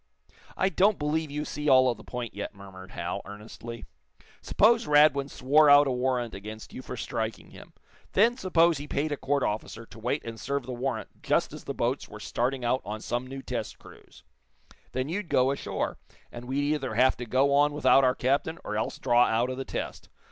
"I don't believe you see all of the point yet," murmured Hal, earnestly. "Suppose Radwin swore out a warrant against you for striking him. Then suppose he paid a court officer to wait and serve the warrant just as the boats were starting out on some new test cruise? Then you'd go ashore, and we'd either have to go on without our captain, or else draw out of the test.